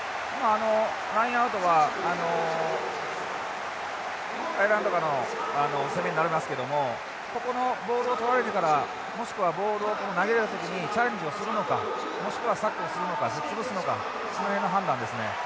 ラインアウトはアイルランドからの攻めになりますけどもここのボールを取られてからもしくはボールを投げられた時にチャレンジをするのかもしくはサッとするのか潰すのかその辺の判断ですね。